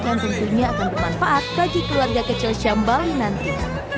yang tentunya akan bermanfaat bagi keluarga kecil syambali nanti